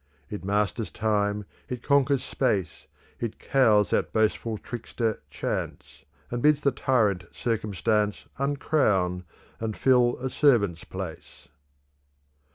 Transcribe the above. "It masters time, it conquers space, It cows that boastful trickster, chance, And bids the tyrant circumstance Uncrown and fill a servant's place."